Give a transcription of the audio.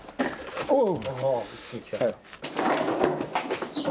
おう！